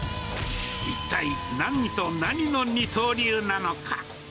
一体、何と何の二刀流なのか。